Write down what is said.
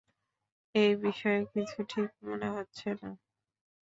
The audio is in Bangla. এ বিষয়ে কিছু ঠিক মনে হচ্ছে না।